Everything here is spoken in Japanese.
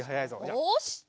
よし！